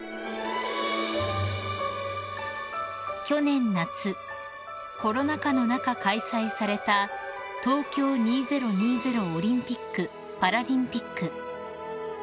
［去年夏コロナ禍の中開催された東京２０２０オリンピック・パラリンピック］